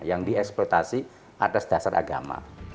yang dieksploitasi atas dasar agama